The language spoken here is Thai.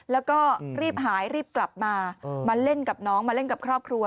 แล้วก็รีบหายรีบกลับมามาเล่นกับน้องมาเล่นกับครอบครัว